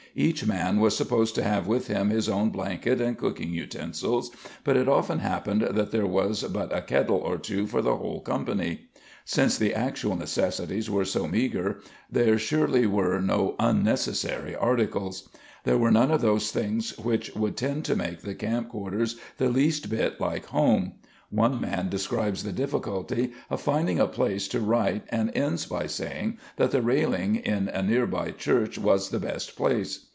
Each man was supposed to have with him his own blanket and cooking utensils, but it often happened that there was but a kettle or two for the whole company. Since the actual necessities were so meagre, there surely were no unnecessary articles. There were none of those things which would tend to make the camp quarters the least bit like home. One man describes the difficulty of finding a place to write and ends by saying that the railing in a near by church was the best place.